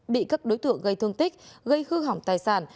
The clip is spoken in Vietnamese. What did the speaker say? bị các đối tượng gây thương tích gây hư hỏng tài sản